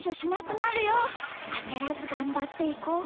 あせらずがんばっていこう。